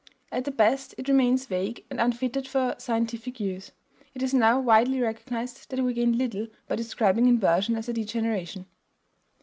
At the best it remains vague and unfitted for scientific use. It is now widely recognized that we gain little by describing inversion as a degeneration.